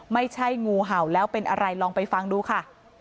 ไม่ใช่งูเห่าแล้วเป็นอะไรลองไปฟังดูค่ะ